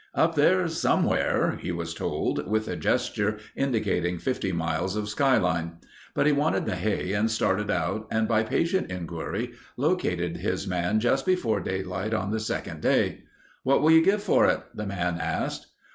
"Up there somewhere," he was told, with a gesture indicating 50 miles of sky line. But he wanted the hay and started out and by patient inquiry located his man just before daylight on the second day. "What will you give for it?" the man asked.